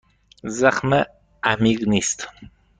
زخم عمیق نیست.